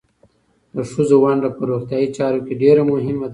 د ښځو ونډه په روغتیايي چارو کې ډېره مهمه ده.